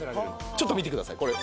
ちょっと見てくださいこれ。